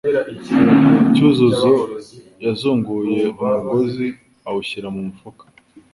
Cyuzuzo yazunguye umugozi awushyira mu mufuka.